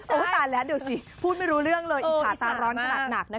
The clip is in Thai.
โอ้ยตายแล้วเดี๋ยวสิพูดไม่รู้เรื่องเลยอิชาตาร้อนนัก